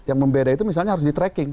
yang membeda itu misalnya harus di tracking